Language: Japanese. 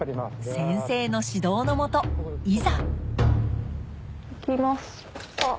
先生の指導の下いざいきますパッ。